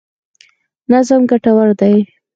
نظم ګټور دی.